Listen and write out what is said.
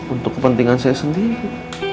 untuk kepentingan saya sendiri